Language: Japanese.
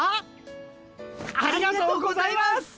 ありがとうございます！